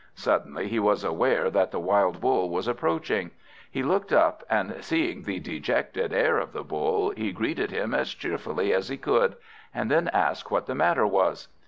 Suddenly he was aware that the wild Bull was approaching. He looked up, and seeing the dejected air of the Bull, he greeted him as cheerfully as he could, and then asked what the matter was?